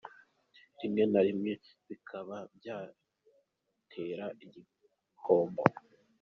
Rimwe na rimwe bikaba byatera igihombo.